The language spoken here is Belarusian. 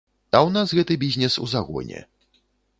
А ў нас гэты бізнес у загоне.